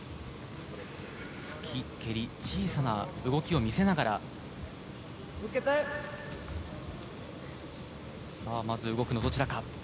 突き、蹴り、小さな動きを見せながらさあ、まず動くのはどちらか。